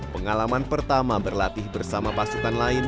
pengalaman pertama berlatih bersama pasukan lain